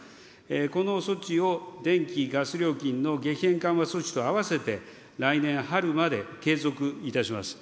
この措置を電気・ガス料金の激変緩和措置と併せて、来年春まで継続いたします。